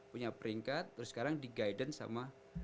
punya peringkat terus sekarang di guidance sama